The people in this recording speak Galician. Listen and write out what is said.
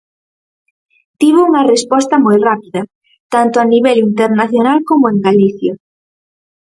Tivo unha resposta moi rápida, tanto a nivel internacional como en Galicia.